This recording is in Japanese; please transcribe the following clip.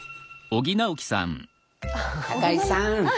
高井さん